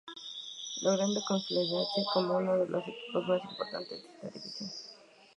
Logrando consolidarse como uno de los equipos más importantes en esta división.